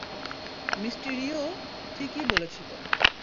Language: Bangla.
মিস্টিরিও ঠিকই বলেছিল।